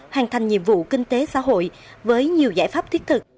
hoàn thành nhiệm vụ kinh tế xã hội với nhiều giải pháp thiết thực